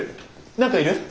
何かいる？